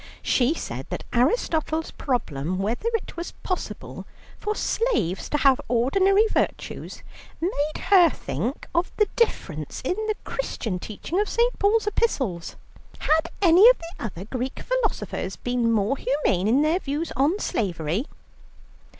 She said that Aristotle's problem whether it was possible for slaves to have ordinary virtues, made her think of the difference in the Christian teaching of St. Paul's epistles. Had any of the other Greek philosophers been more humane in their views on slavery?